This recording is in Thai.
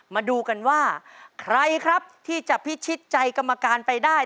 มาดูกันว่าใครครับที่จะพิชิตใจกรรมการไปได้